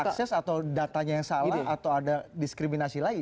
akses atau datanya yang salah atau ada diskriminasi lagi